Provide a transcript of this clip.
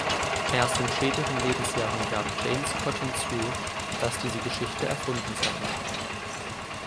Erst in späteren Lebensjahren gab James Cotton zu, dass diese Geschichte erfunden sei.